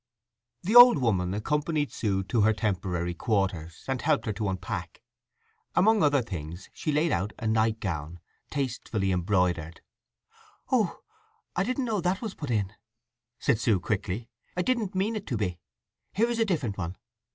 The old woman accompanied Sue to her temporary quarters, and helped her to unpack. Among other things she laid out a night gown tastefully embroidered. "Oh—I didn't know that was put in!" said Sue quickly. "I didn't mean it to be. Here is a different one."